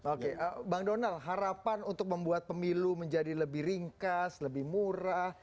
oke bang donald harapan untuk membuat pemilu menjadi lebih ringkas lebih murah